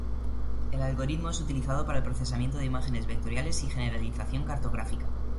El algoritmo es utilizado para el procesamiento de imágenes vectoriales y generalización cartográfica.